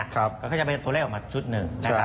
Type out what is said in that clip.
ก็จะเป็นตัวเล่นออกมาชุดหนึ่ง